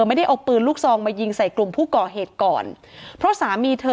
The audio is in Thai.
ไม่ได้เอาปืนลูกซองมายิงใส่กลุ่มผู้ก่อเหตุก่อนเพราะสามีเธอ